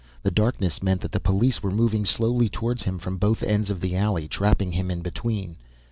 The darkness meant that the police were moving slowly towards him from both ends of the alley, trapping him in between.